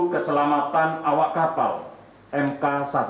keselamatan awak kapal mk sebelas